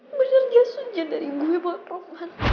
bener jas ujian dari gue buat peman